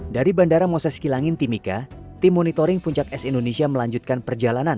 dari bandara moses kilangin timika tim monitoring puncak es indonesia melanjutkan perjalanan